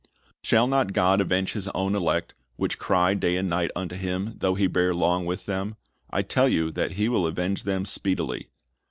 "Shall not God avenge His own elect, which cry da} and night unto Him, though He bear long with them ? I tell you that He will avenge them speedily."